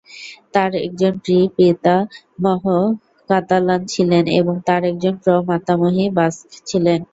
তার একজন প্র-প্রিতামহ কাতালান ছিলেন এবং তার একজন প্র-মাতামহী বাস্ক ছিলেন।